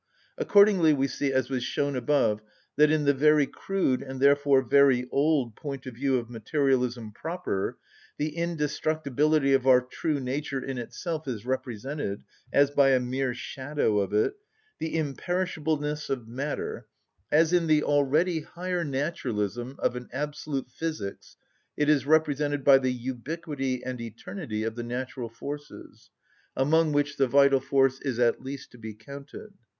Accordingly we see, as was shown above, that in the very crude, and therefore very old, point of view of materialism proper the indestructibility of our true nature in itself is represented, as by a mere shadow of it, the imperishableness of matter; as in the already higher naturalism of an absolute physics it is represented by the ubiquity and eternity of the natural forces, among which the vital force is at least to be counted.